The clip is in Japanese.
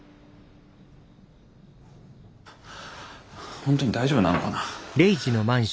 本当に大丈夫なのかな。